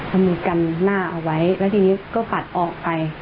เอามือกันหน้าเอาไว้แล้วทีนี้ก็ปัดออกไป